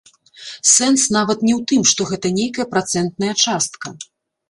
Сэнс нават не ў тым, што гэта нейкая працэнтная частка.